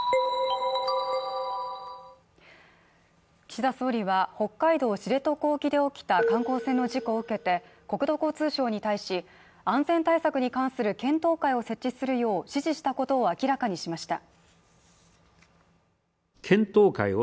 岸田総理は、北海道知床沖で起きた観光船の事故を受けて、国土交通省に対し、安全対策に関する検討会を設置するよう指示したことを明らかにしました。